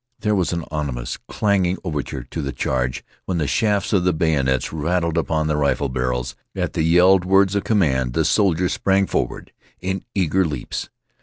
There was an ominous, clanging overture to the charge when the shafts of the bayonets rattled upon the rifle barrels. At the yelled words of command the soldiers sprang forward in eager leaps.